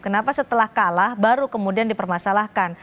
kenapa setelah kalah baru kemudian dipermasalahkan